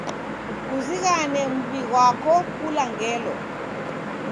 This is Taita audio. Kuzighane muw'i ghwako kula ngelo.